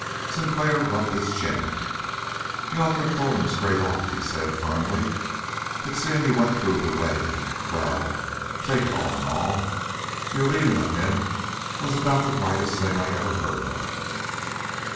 Sinclair rubbed his chin. "You'd ought to have told him straight off," he said firmly. "But seeing you went through with the wedding well, take it all in all, your leaving of him was about the rightest thing I ever heard of."